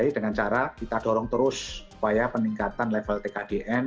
dengan cara kita dorong terus upaya peningkatan level tkdn